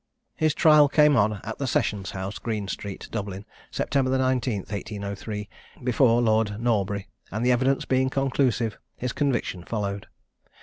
His trial came on, at the sessions house, Green street, Dublin, September the 19th, 1803, before Lord Norbury; and the evidence being conclusive, his conviction followed.